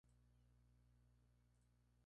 Legendaria fue la atención que dio el Dr.